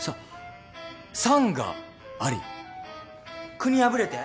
「国破れて」？